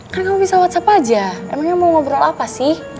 karena kamu bisa whatsapp aja emangnya mau ngobrol apa sih